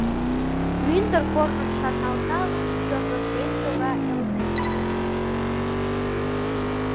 Мӱндыр корным шарналталын, Йоргыктен йога Элнет.